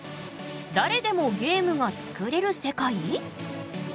「だれでもゲームが作れる世界」？